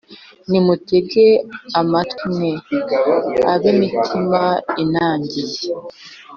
nimutege amatwi mwe, ab’imitima inangiye,